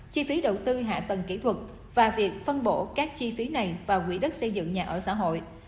chi phí đầu tư hạ tầng kỹ thuật và việc phân bổ các chi phí này vào quỹ đất xây dựng nhà ở xã hội